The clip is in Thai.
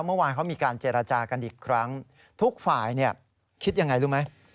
เมื่อวานเขามีการเจรจากันอีกครั้งทุกฝ่ายคิดยังไงรู้ไหม